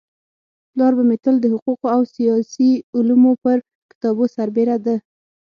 پلار به مي تل د حقوقو او سياسي علومو پر كتابو سربيره د